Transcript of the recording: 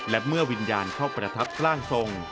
และเมื่อวิญญาณเข้าประทับร่างทรง